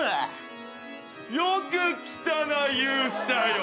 よく来たな勇者よ。